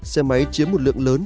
xe máy chiếm một lượng lớn